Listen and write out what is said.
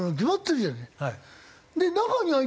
はい。